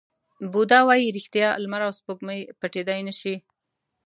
بودا وایي ریښتیا، لمر او سپوږمۍ پټېدای نه شي.